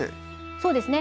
そうですね。